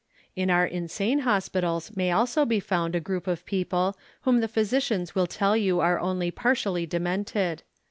In our insane hospitals may also be found a group of people whom the physicians will tell you are only partially demented.